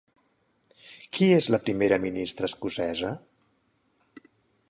Qui és la primera ministra escocesa?